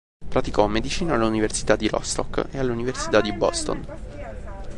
Praticò medicina all'Università di Rostock e all'Università di Boston.